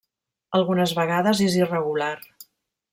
Algunes vegades és irregular.